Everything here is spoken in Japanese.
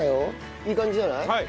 いい感じじゃない？